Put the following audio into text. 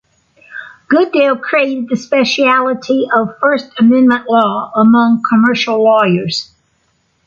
Goodale created the specialty of First Amendment law among commercial lawyers.